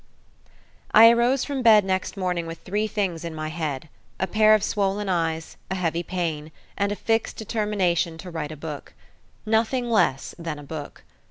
I arose from bed next morning with three things in my head a pair of swollen eyes, a heavy pain, and a fixed determination to write a book. Nothing less than a book.